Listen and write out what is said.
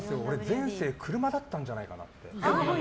前世、車だったんじゃないかって。